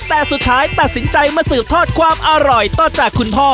แต่สุดท้ายตัดสินใจมาสืบทอดความอร่อยต่อจากคุณพ่อ